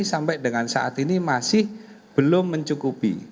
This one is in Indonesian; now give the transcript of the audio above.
sampai dengan saat ini masih belum mencukupi